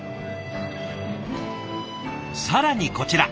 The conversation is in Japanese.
更にこちら。